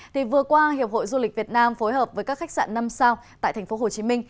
thì vừa qua hiệp hội du lịch việt nam phối hợp với các khách sạn năm sao tại tp hcm